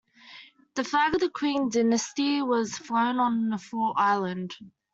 The flag of the Qing Dynasty was flown on Fort Island.